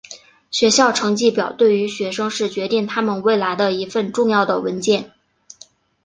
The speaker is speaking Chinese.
学校成绩表对于学生是决定他们未来的一份重要的文件。